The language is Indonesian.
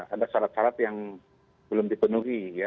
ada syarat syarat yang belum dipenuhi ya